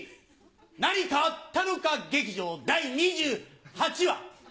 何かあったのか劇場第２８話。